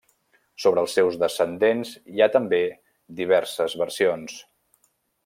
Sobre els seus descendents hi ha també diverses versions.